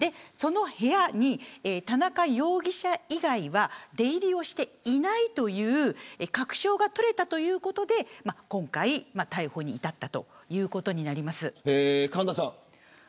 その部屋に田中容疑者以外は出入りをしていないという確証が取れたということで今回、逮捕に至ったとい神田さん。